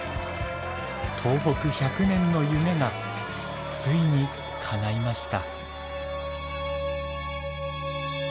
東北１００年の夢がついにかないました。